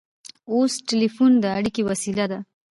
اوس ټیلیفون د اړیکې وسیله ده.